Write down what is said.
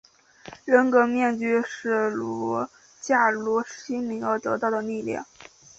人格面具是驾驭心灵而得到的力量。